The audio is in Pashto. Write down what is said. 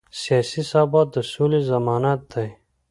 سیاسي ثبات د سولې ضمانت دی